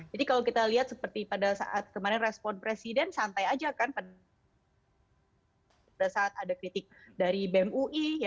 jadi kalau kita lihat seperti pada saat kemarin respon presiden santai aja kan pada saat ada kritik dari bmui